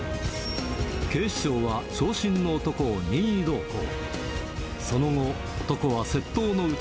警視庁は長身の男を任意同行。